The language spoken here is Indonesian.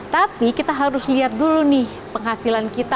tapi kita harus lihat dulu nih penghasilan kita